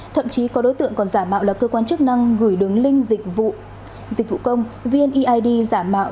thậm chí có đối tượng còn giả mạo là cơ quan chức năng gửi đường link dịch vụ công vneid giả mạo